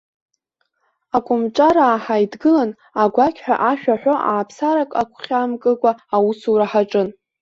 Акомҿараа ҳаидгыланы, агәақьҳәа ашәа ҳәо, ааԥсарак агәхьаа мкыкәан аусура ҳаҿын.